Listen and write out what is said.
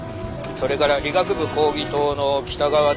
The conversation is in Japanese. それから理学部講義棟の北側